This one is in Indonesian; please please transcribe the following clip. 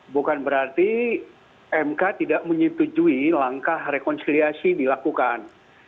bukan berarti mk tidak menyetujui langkah rekonsiliasi dilakukan